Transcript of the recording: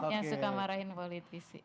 yang suka marahin politisi